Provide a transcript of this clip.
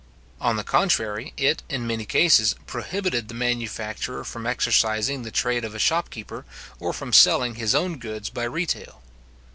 On the contrary, it, in many cases, prohibited the manufacturer from exercising the trade of a shopkeeper, or from selling his own goods by retail.